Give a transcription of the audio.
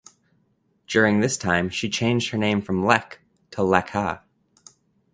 During this time she changed her name from Lek to Lekha.